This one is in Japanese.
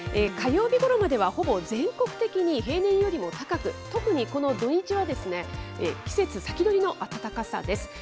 火曜日ごろまでは、ほぼ全国的に平年よりも高く、特にこの土日はですね、季節先取りの暖かさです。